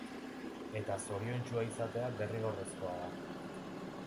Eta zoriontsua izatea derrigorrezkoa da.